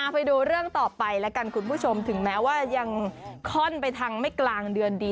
ไปดูเรื่องต่อไปแล้วกันคุณผู้ชมถึงแม้ว่ายังค่อนไปทางไม่กลางเดือนดี